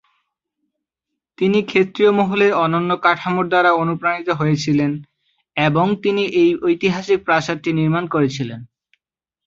তিনি খেত্রীয় মহলের অনন্য কাঠামোর দ্বারা অনুপ্রাণিত হয়েছিলেন এবং তিনি এই ঐতিহাসিক প্রাসাদটি নির্মাণ করেছিলেন।